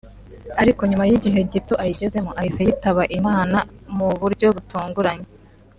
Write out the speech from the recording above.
ariko nyuma y’igihe gito ayigezemo ahise yitaba Imana mu buryo butunguranye